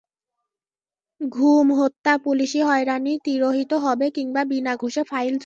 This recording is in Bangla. গুম, হত্যা, পুলিশি হয়রানি তিরোহিত হবে কিংবা বিনা ঘুষে ফাইল চলবে।